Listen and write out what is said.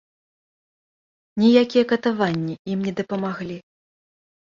Ніякія катаванні ім не дапамагалі.